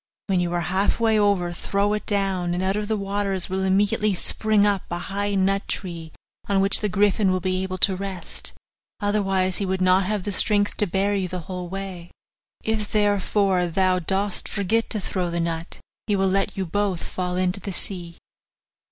'When you are half way over, throw it down, and out of the waters will immediately spring up a high nut tree on which the griffin will be able to rest, otherwise he would not have the strength to bear you the whole way; if, therefore, thou dost forget to throw down the nut, he will let you both fall into the sea.